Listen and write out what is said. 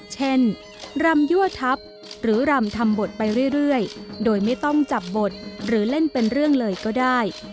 รำยั่วทัพหรือรำทำบทไปเรื่อยโดยไม่ต้องจับบทหรือเล่นเป็นเรื่องเลยก็ได้